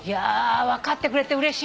分かってくれてうれしいわ。